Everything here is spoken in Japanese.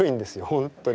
本当に。